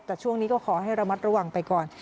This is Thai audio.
แต่ช่วงนี้ก็ขอให้ระมัดระวังไปก่อน